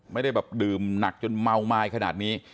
ไม่ได้แบบดื่มหนักจนเมาไม้ขนาดนี้